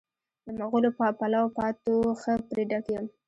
د مغلو پلاو پاتو ښه پرې ډک یم.